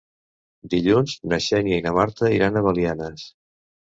Dilluns na Xènia i na Marta iran a Belianes.